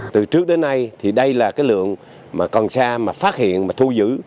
từ trước đến nay đây là lượng cần xa phát hiện và thu giữ